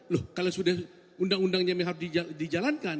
loh kalau sudah undang undangnya harus dijalankan